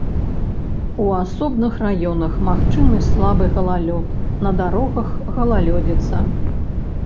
У асобных раёнах магчымы слабы галалёд, на дарогах галалёдзіца.